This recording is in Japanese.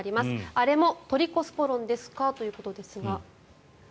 あれもトリコスポロンですか？ということですが。